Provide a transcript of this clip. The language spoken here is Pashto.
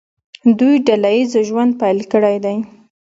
دوی ډله ییز ژوند پیل کړی دی.